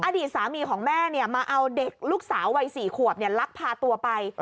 อดีตสามีของแม่มาเอาเด็กลูกสาววัย๔ขวบลักพาตัวไป